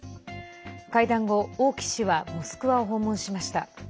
会談後、王毅氏はモスクワを訪問しました。